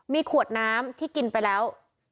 มีขวดน้ำที่กินไปแล้ว